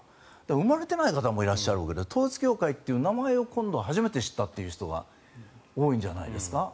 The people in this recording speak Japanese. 生まれてない方もいらっしゃる統一教会という名前を今度、初めて知ったという人は多いんじゃないですか？